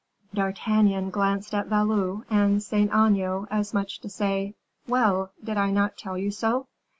D'Artagnan glanced at Valot and Saint Aignan, as much as to say, "Well! did I not tell you so?"